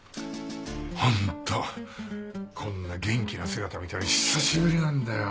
ホントこんな元気な姿見たの久しぶりなんだよ。